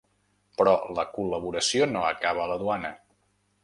Però la col·laboració no acaba a la duana.